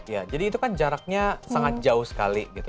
ya jadi itu kan jaraknya sangat jauh sekali gitu